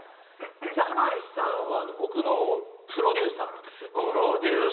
箭内さんは僕のプロデューサーなんですよ。